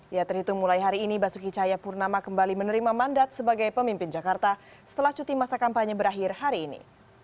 ya terhitung mulai hari ini basuki cahayapurnama kembali menerima mandat sebagai pemimpin jakarta setelah cuti masa kampanye berakhir hari ini